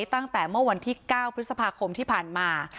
ตั้งแต่เมื่อวันที่๙พฤษภาคมที่ผ่านมา